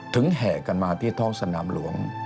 แห่กันมาที่ท้องสนามหลวง